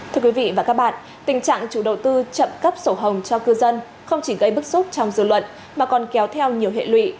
thưa quý vị và các bạn tình trạng chủ đầu tư chậm cấp sổ hồng cho cư dân không chỉ gây bức xúc trong dư luận mà còn kéo theo nhiều hệ lụy